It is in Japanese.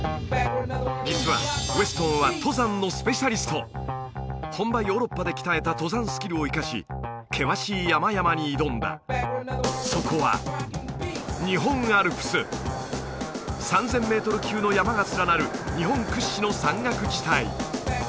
実はウェストンは本場ヨーロッパで鍛えた登山スキルを生かし険しい山々に挑んだそこは３０００メートル級の山が連なる日本屈指の山岳地帯